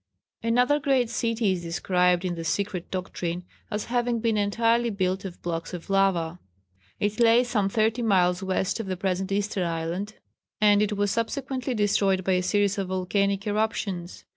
Another great city is described in the "Secret Doctrine" as having been entirely built of blocks of lava. It lay some 30 miles west of the present Easter Island, and it was subsequently destroyed by a series of volcanic eruptions.